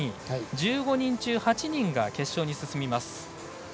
１５人中８人が決勝に進みます。